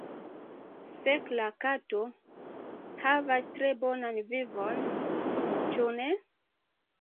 Fek' la kato havas tre bonan vivon, ĉu ne?